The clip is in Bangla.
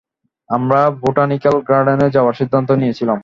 আমরা বোটানিক্যাল গার্ডেনে যাওয়ার সিদ্ধান্ত নিয়েছিলাম।